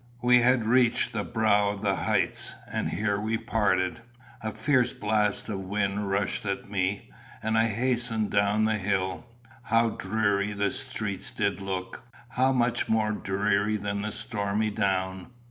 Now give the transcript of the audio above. We had reached the brow of the heights, and here we parted. A fierce blast of wind rushed at me, and I hastened down the hill. How dreary the streets did look! how much more dreary than the stormy down!